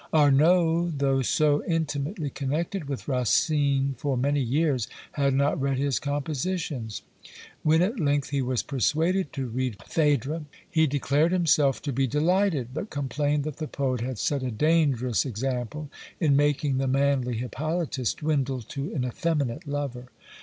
Arnauld, though so intimately connected with Racine for many years, had not read his compositions. When at length he was persuaded to read Phædra, he declared himself to be delighted, but complained that the poet had set a dangerous example, in making the manly Hippolytus dwindle to an effeminate lover.